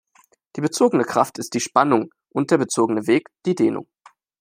Die bezogene Kraft ist die "Spannung" und der bezogene Weg die "Dehnung".